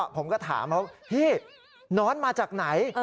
ผมก็ถามเขาน้อนมาจากไหน